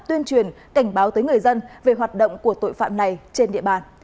tuyên truyền cảnh báo tới người dân về hoạt động của tội phạm này trên địa bàn